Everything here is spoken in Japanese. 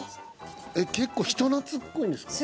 結構人懐っこいんですか？